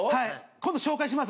今度紹介します。